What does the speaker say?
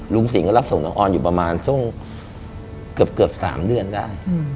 สิงห์ก็รับส่งน้องออนอยู่ประมาณเกือบ๓เดือนได้